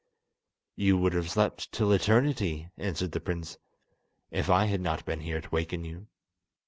"You would have slept till eternity," answered the prince, "if I had not been here to waken you."